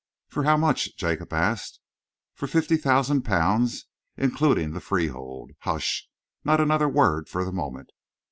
"For how much?" Jacob asked. "For fifty thousand pounds, including the freehold. Hush! Not another word for the moment."